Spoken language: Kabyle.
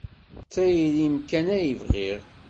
D tayri-m kan ay bɣiɣ.